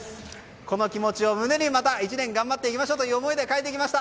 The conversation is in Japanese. この気持ちを胸にまた１年頑張っていきましょうという思いで書いていきました。